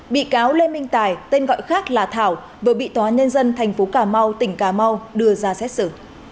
bị cáo lê minh tài tên gọi khác là thảo vừa bị tòa nhân dân thành phố cà mau tỉnh cà mau đưa ra xét xử